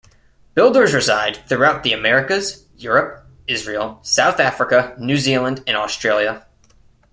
Builders reside throughout the Americas, Europe, Israel, South Africa, New Zealand and Australia.